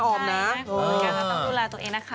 ก็ต้องดูแลตัวเองนะคะ